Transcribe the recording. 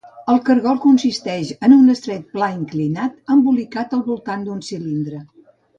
El cargol consisteix en un estret pla inclinat embolicat al voltant d'un cilindre.